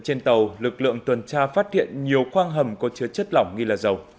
trên tàu lực lượng tuần tra phát hiện nhiều khoang hầm có chứa chất lỏng nghi là dầu